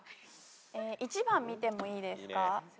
１番見てもいいですか。